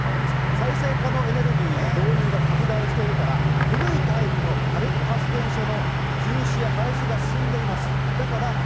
再生可能エネルギーの導入が拡大しているから、古いタイプの火力発電所の休止や廃止が進んでいます。